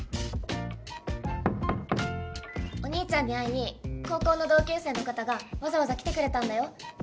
お義兄ちゃんに会いに高校の同級生の方がわざわざ来てくれたんだよ。